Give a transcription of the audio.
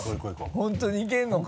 本当にいけるのか？